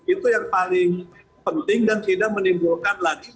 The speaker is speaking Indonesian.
itu yang paling penting dan tidak menimbulkan lagi